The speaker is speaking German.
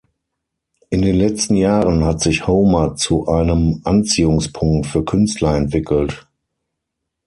In den letzten Jahren hat sich Homer zu einem Anziehungspunkt für Künstler entwickelt.